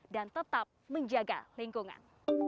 dan tetap menjaga lingkungan